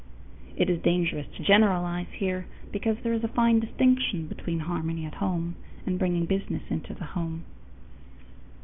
It is dangerous to generalize here, because there is a fine distinction between harmony at home and bringing business into the home.